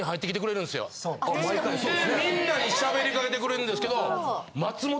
でみんなに喋りかけてくれるんですけど。